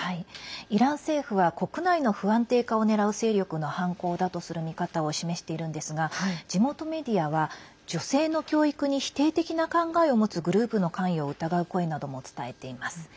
イラン政府は国内の不安定化を狙う勢力の犯行だとする見方を示しているんですが地元メディアは女性の教育に否定的な考えを持つグループの関与を疑う声なども伝えています。